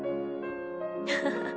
ハハハ！